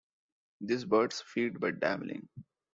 These birds feed by dabbling.